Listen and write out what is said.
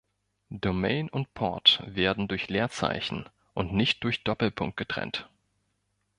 Domain und Port werden durch Leerzeichen und nicht durch Doppelpunkt getrennt.